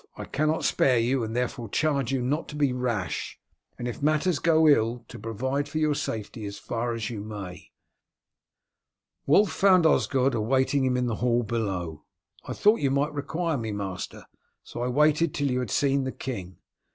I cannot spare you, and therefore charge you not to be rash, and if matters go ill to provide for your safety as far as you may." Wulf found Osgod awaiting him in the hall below. "I thought you might require me, master, so I waited till you had seen the king."